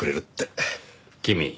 君。